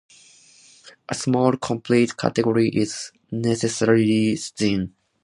A small complete category is necessarily thin.